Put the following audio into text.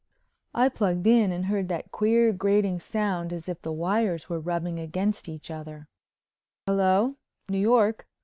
I plugged in and heard that queer grating sound as if the wires were rubbing against each other: "Hello, New York.